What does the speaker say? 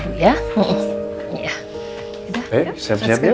iya siap siap ya